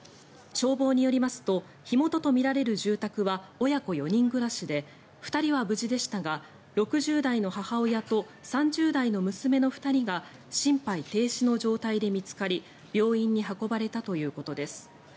消防によりますと火元とみられる住宅は親子４人暮らしで２人は無事でしたが６０代の母親と３０代の娘の２人が心肺停止の状態で見つかり病院に運ばれたということです。